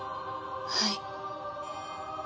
はい。